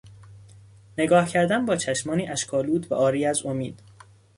نگاه کردن با چشمانی اشک آلود و عاری از امید